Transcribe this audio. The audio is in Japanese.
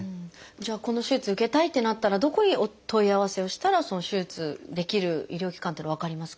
じゃあこの手術受けたいってなったらどこに問い合わせをしたらその手術できる医療機関っていうのは分かりますか？